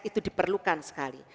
itu diperlukan sekali